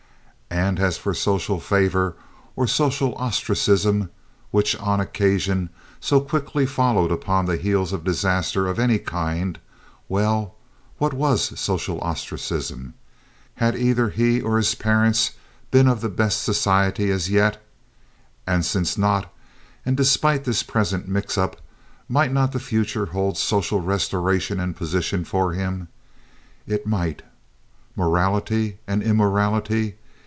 And as for social favor or social ostracism which, on occasion, so quickly followed upon the heels of disaster of any kind, well, what was social ostracism? Had either he or his parents been of the best society as yet? And since not, and despite this present mix up, might not the future hold social restoration and position for him? It might. Morality and immorality?